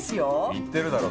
言ってるだろ。